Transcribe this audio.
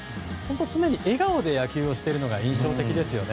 常に笑顔で野球をしてるのが印象的ですよね。